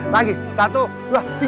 lagi satu dua tiga